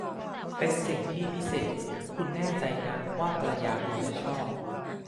เป็นสิ่งที่พิเศษ คุณแน่ใจนะว่าภรรยาคุณจะชอบ